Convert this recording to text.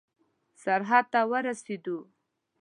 سرحد ته ورسېدو.